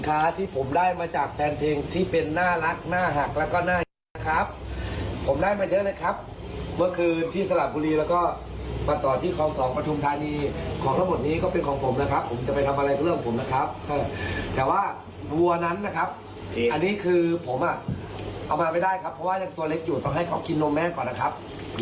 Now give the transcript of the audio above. เดี๋ยวถ้าเกิดว่าเขาโตอีกซักหน่อยเดี๋ยวค่อยไปเจอกันที่สนามมวยไล่นะครับ